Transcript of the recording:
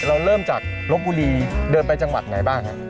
เราเริ่มจากลบบุรีเดินไปจังหวัดไหนบ้างฮะ